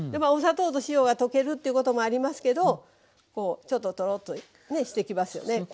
お砂糖と塩が溶けるっていうこともありますけどこうちょっとトロッとしてきますよね。